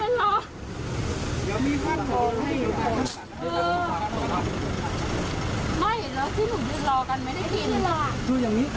มันเป็นสิ่งที่เราไม่ได้รู้สึกว่า